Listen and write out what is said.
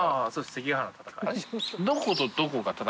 関ケ原の戦い。